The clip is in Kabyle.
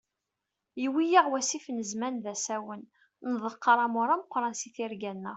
Yewwi-yaɣ wasif n zzman d asawen, nḍeqqer amur ameqran si tirga-nneɣ.